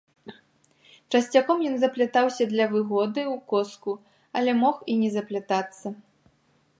Часцяком ён заплятаўся для выгоды ў коску, але мог і не заплятацца.